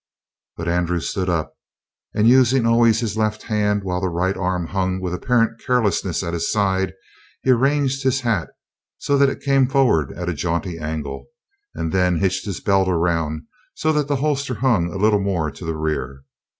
But Andrew stood up, and, using always his left hand while the right arm hung with apparent carelessness at his side, he arranged his hat so that it came forward at a jaunty angle, and then hitched his belt around so that the holster hung a little more to the rear.